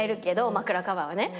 枕カバーはね。